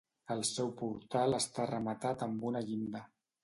El seu portal està rematat amb una llinda.